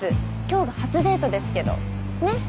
今日が初デートですけどねっ。